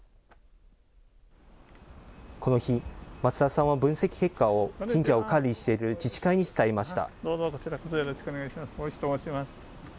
この日、松田さんは分析結果を神社を管理している自治会に伝えました。